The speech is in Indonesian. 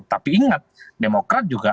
tapi ingat demokrat juga